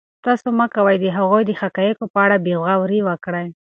تاسو مه کوئ چې د هغوی د حقایقو په اړه بې غوري وکړئ.